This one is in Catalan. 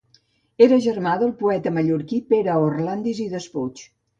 Era germà del poeta mallorquí Pere Orlandis i Despuig.